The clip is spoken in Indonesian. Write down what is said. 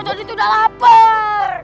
positi tuh udah lapar